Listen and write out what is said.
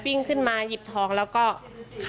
เพิ่งขึ้นมาหยิบทองแล้วก็ขับรถออกไป